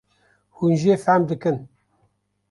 hûn jê fehm dikin